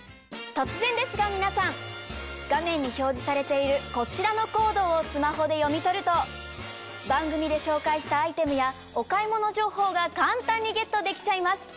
突然ですが皆さん画面に表示されているこちらのコードをスマホで読み取ると番組で紹介したアイテムやお買い物情報が簡単にゲットできちゃいます。